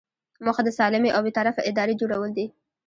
موخه د سالمې او بې طرفه ادارې جوړول دي.